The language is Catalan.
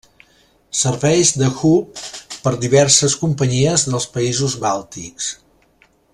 Serveix de hub per diverses companyies dels països bàltics.